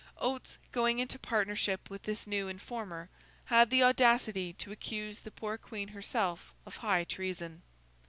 Oates, going into partnership with this new informer, had the audacity to accuse the poor Queen herself of high treason.